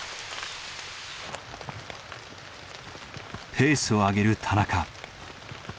ペースを上げる田中。